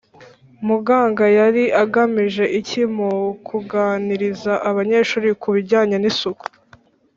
Muganga yari agamije iki mu kuganiriza abanyeshuri ku bijyanye n’isuku?